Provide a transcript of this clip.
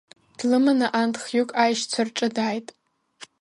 Длыманы анҭ хҩык аешьцәа рҿы дааит.